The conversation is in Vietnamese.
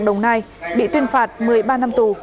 đồng nai bị tuyên phạt một mươi ba năm tù